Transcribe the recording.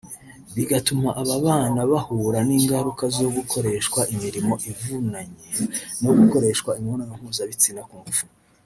bigatuma aba bana bahura n’ingaruka zo gukoreshwa imirimo ivunanye no gukoreshwa imibonano mpuzabitsina ku ngufu